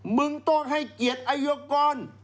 มึงต้องให้เกียจไอร์การ